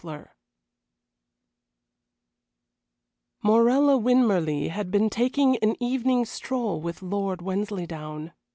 XXVII Morella Winmarleigh had been taking an evening stroll with Lord Wensleydown.